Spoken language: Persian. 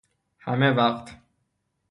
همه وقت